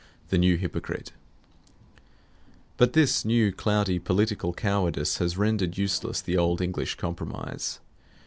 THE NEW HYPOCRITE But this new cloudy political cowardice has rendered useless the old English compromise.